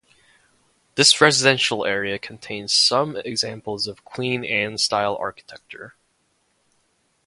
This residential area contains some examples of Queen Anne style architecture.